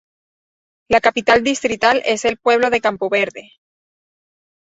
La capital distrital es el pueblo de Campo verde.